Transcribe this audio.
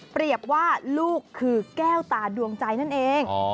ว่าลูกคือแก้วตาดวงใจนั่นเอง